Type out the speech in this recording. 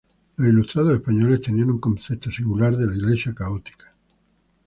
Los ilustrados españoles tenían un concepto singular de la Iglesia católica.